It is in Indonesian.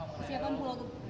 persiapan pulau itu